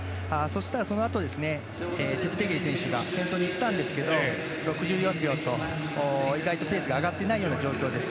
そのあと、チェプテゲイ選手が先頭でいったんですけど６４秒と意外とペースが上がっていないような状況です。